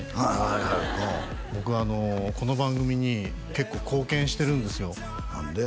はい僕あのこの番組に結構貢献してるんですよ何で？